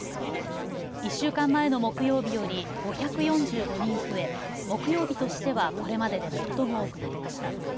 １週間前の木曜日より５４５人増え木曜日としてはこれまでで最も多くなりました。